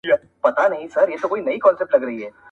خو ذهن کي يې شته ډېر,